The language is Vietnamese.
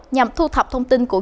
nhằm thu thập thông tin